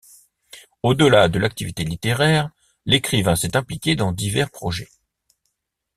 Au-delà de l'activité littéraire, l'écrivain s'est impliquée dans divers projets.